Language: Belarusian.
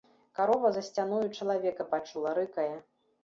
Карова за сцяною чалавека пачула, рыкае.